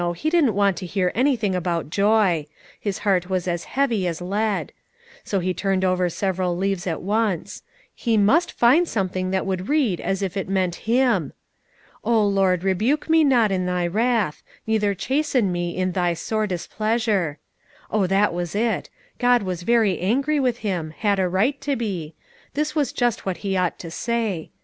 he didn't want to hear anything about joy; his heart was as heavy as lead. So he turned over several leaves at once: he must find something that would read as if it meant him. "O Lord, rebuke me not in Thy wrath, neither chasten me in Thy sore displeasure." Oh, that was it! God was very angry with him, had a right to be, this was just what he ought to say.